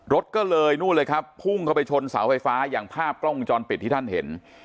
รถก็เลยพุ่งเข้าไปชนสาวไฟฟ้าอย่างภาพกล้องจรปิดที่ท่านเห็น